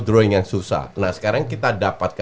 drawing yang susah nah sekarang kita dapat